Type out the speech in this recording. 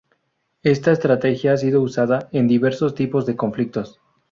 Esta estrategia ha sido usada en diversos tipos de conflictos.